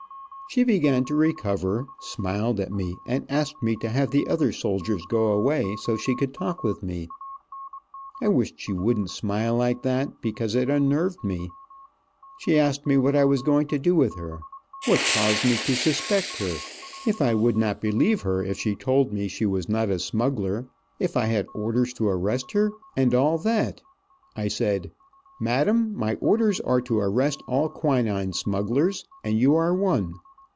She began to recover, smiled at me and asked me to have the other soldiers go away, so she could talk with me. I wished she wouldn't smile like that, because it unnerved me. She asked me what I was going to do with her, what caused me to suspect her, if I would not believe her if she told me she was not a smuggler, if I had orders to arrest her, and all that. I said, "Madame, my orders are to arrest all quinine smugglers, and you are one.